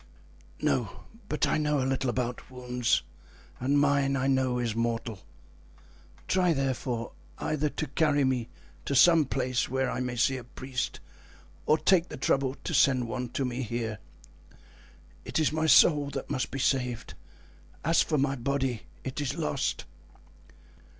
"No, but I know a little about wounds, and mine, I know, is mortal. Try, therefore, either to carry me to some place where I may see a priest or take the trouble to send one to me here. It is my soul that must be saved; as for my body, it is lost."